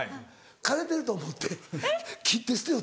枯れてると思って切って捨てよった。